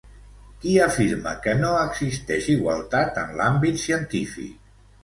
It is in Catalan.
Qui afirma que no existeix igualtat en l'àmbit científic?